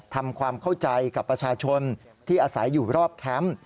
ทำความเข้าใจกับประชาชนที่อาศัยอยู่รอบแคมป์